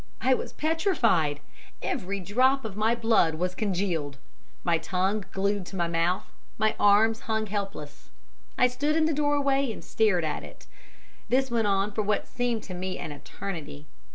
I was petrified every drop of my blood was congealed. My tongue glued to my mouth, my arms hung helpless. I stood in the doorway and stared at it. This went on for what seemed to me an eternity.